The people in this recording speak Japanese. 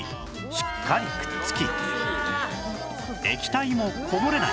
しっかりくっつき液体もこぼれない